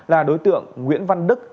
là đối tượng nguyễn văn đức